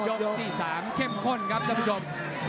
ยกที่๓เข้มข้นครับท่านผู้ชม